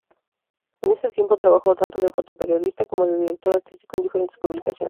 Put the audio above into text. En este tiempo trabajó tanto de fotoperiodista como de director artístico en diferentes publicaciones.